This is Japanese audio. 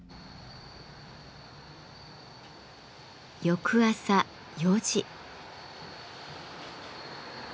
翌朝４時。